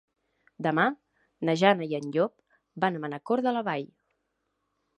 Demà na Jana i en Llop van a Mancor de la Vall.